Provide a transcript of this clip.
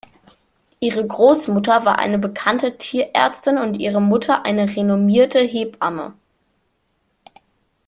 Ihre Großmutter war eine bekannte Tierärztin und ihre Mutter eine renommierte Hebamme.